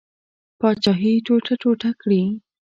پاچهي ټوټه ټوټه کړي.